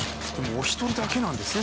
お一人だけなんですね